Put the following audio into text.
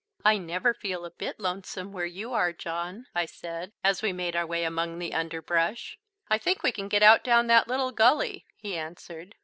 "I never feel a bit lonesome where you are, John," I said, as we made our way among the underbrush. "I think we can get out down that little gully," he answered.